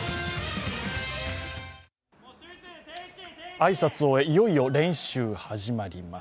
挨拶を終え、いよいよ練習が始まります。